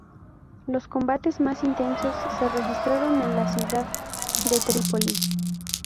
Los combates más intensos se registraron en la ciudad de Trípoli.